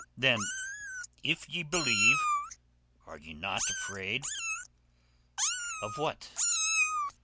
"Then if ye believe, are ye not afraid?" "Of what?"